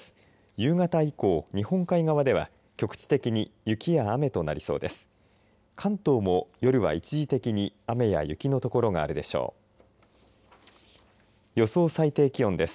夕方以降、日本海側では局地的に雪や雨となりそうです。